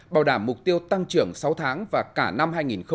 bảo đảm mục tiêu tăng trưởng sáu tháng và cả năm hai nghìn một mươi chín